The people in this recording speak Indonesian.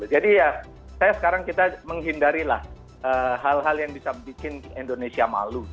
jadi ya saya sekarang kita menghindari lah hal hal yang bisa bikin indonesia malu